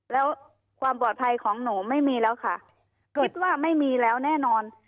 แล้วความปลอดภัยของหนูไม่มีแล้วค่ะคิดว่าไม่มีแล้วแน่นอน